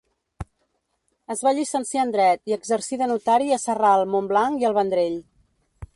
Es va llicenciar en dret i exercí de notari a Sarral, Montblanc i el Vendrell.